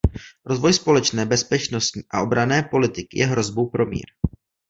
Rozvoj společné bezpečnostní a obranné politiky je hrozbou pro mír.